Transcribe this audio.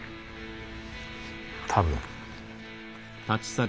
多分。